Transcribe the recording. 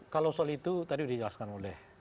kalau soal itu tadi dijelaskan oleh